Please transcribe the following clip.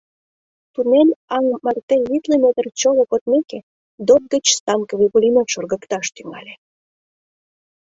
Туннель аҥ марте витле метр чоло кодмеке, ДОТ гыч станковый пулемёт шоргыкташ! тӱҥале.